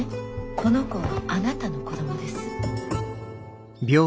この子はあなたの子どもです。